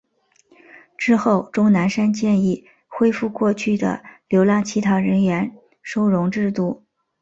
之后钟南山建议恢复过去的流浪乞讨人员收容制度。